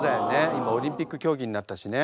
今オリンピック競技になったしね。